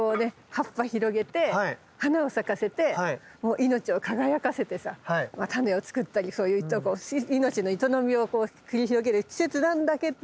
葉っぱ広げて花を咲かせてもう命を輝かせてさ種を作ったりそういう命の営みを繰り広げる季節なんだけど！